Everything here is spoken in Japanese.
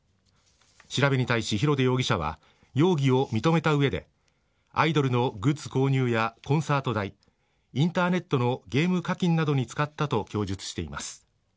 調べに対し広出容疑者は容疑を認めた上でアイドルのグッズ購入やコンサート代インターネットのゲーム課金などに使ったと供述しています。